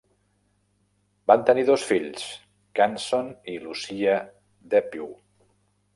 Van tenir dos fills, Ganson i Lucia Depew.